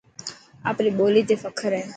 آپري ٻولي تي فخر هي.